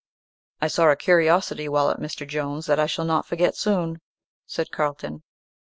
"I saw a curiosity while at Mr. Jones's that I shall not forget soon," said Carlton.